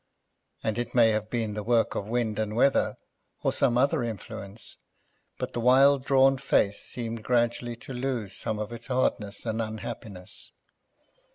And, it may have been the work of wind and weather, or some other influence, but the wild drawn face seemed gradually to lose some of its hardness and unhappiness.